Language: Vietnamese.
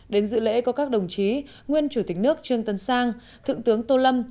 đến dự lễ có các đồng chí nguyên chủ tịch nước trương tân sang thượng tướng tô lâm